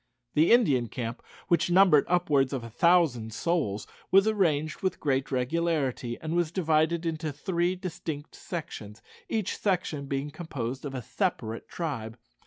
The Indian camp, which numbered upwards of a thousand souls, was arranged with great regularity, and was divided into three distinct sections, each section being composed of a separate tribe.